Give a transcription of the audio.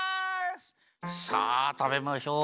さあたべましょう。